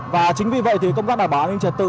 và chính vì vậy thì công tác đảm bảo an ninh trật tự